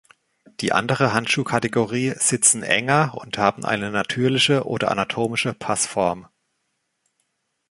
Die andere Handschuhkategorie sitzen enger und haben eine natürliche oder anatomische Passform.